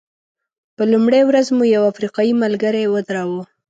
په لومړۍ ورځ مو یو افریقایي ملګری ودراوه.